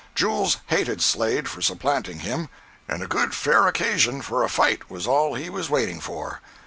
Jules hated Slade for supplanting him, and a good fair occasion for a fight was all he was waiting for.